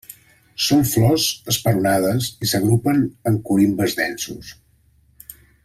Són flors esperonades i s'agrupen en corimbes densos.